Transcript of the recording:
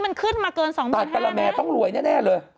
มันขึ้นมาเกิน๒๕๐๐บาทนะแต่ปรแมต้องรวยแน่เลย